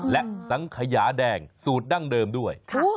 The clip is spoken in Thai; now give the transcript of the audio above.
และสังขยาแดงสูตรดั้งเดิมด้วย